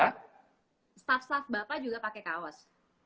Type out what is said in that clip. staff staff bapak juga pakai kaos